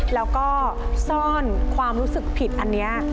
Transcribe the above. แล้วก็ซ่อนความรู้สึกผิดอันนี้